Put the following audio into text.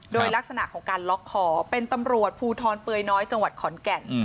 โดยลักษณะของการล็อกคอเป็นตำรวจภูทรเปยน้อยจังหวัดขอนแก่น